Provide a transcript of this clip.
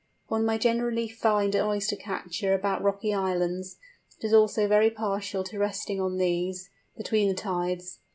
One may generally find an Oyster catcher about rocky islands; it is also very partial to resting on these, between the tides.